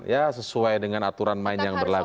ya sesuai dengan aturan main yang berlaku